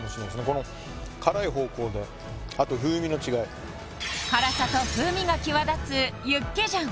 この辛い方向であと風味の違い辛さと風味が際立つユッケジャン